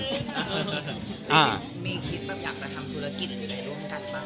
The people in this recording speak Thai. มีคิดแบบอยากจะทำธุรกิจอยู่ในร่วมกันบ้างไหมคะ